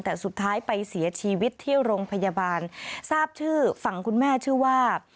แต่สุดท้ายไปเสียชีวิตที่โรงพยาบาลทราบชื่อฝั่งคุณแม่ชื่อว่า